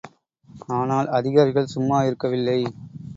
ஆனால் அதிகாரிகள் சும்மா இருக்கவில்லை.